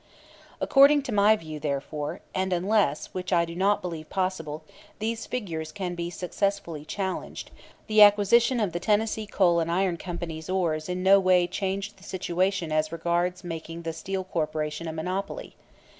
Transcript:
According to my view, therefore, and unless which I do not believe possible these figures can be successfully challenged, the acquisition of the Tennessee Coal and Iron Company's ores in no way changed the situation as regards making the Steel Corporation a monopoly.